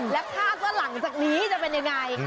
และคาดว่าหลังจากนี้จะเป็นยังไง